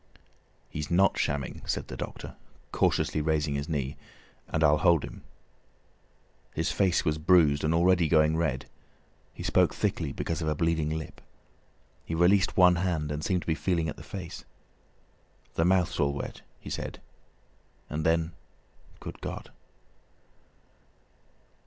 "He's not shamming," said the doctor, cautiously raising his knee; "and I'll hold him." His face was bruised and already going red; he spoke thickly because of a bleeding lip. He released one hand and seemed to be feeling at the face. "The mouth's all wet," he said. And then, "Good God!"